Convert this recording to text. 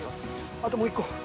あともう１個。